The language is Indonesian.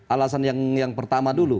alasan yang pertama dulu